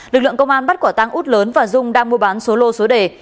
lực lượng công an bắt quả tăng út lớn và dung đang mua bán số lô số đề